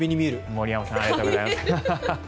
森山さんありがとうございます。